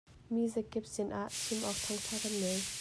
Mizakip sinah chim awk thawngṭha kan ngei.